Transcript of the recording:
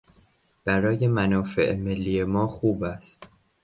برای منافع ملی ما خوب است.